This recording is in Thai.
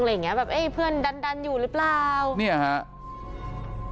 อย่างเงี้แบบเอ๊ะเพื่อนดันดันอยู่หรือเปล่าเนี่ยฮะ